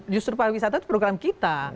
justru pariwisata itu program kita